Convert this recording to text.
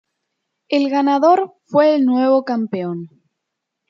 El ganador fue el nuevo campeón.